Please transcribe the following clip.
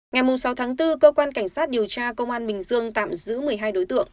ngày sáu tháng bốn cơ quan cảnh sát điều tra công an bình dương tạm giữ một mươi hai đối tượng